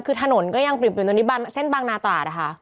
คือถนนก็ยังปริบเส้นทางบางนาตราอ่ะค่ะ